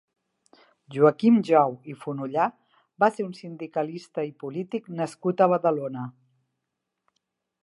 Joaquim Jou i Fonollà va ser un sindicalista i polític nascut a Badalona.